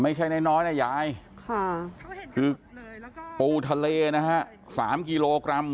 ไม่ใช่น้อยนะยายคือปูทะเลนะฮะ๓กิโลกรัม